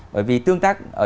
bởi vì tương tác